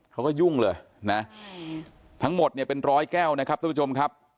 ยุ่งเลยนะทั้งหมดเนี่ยเป็นร้อยแก้วนะครับทุกผู้ชมครับ